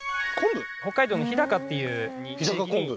北海道の日高っていう日高昆布？